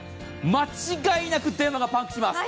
間違いなく電話がパンクします。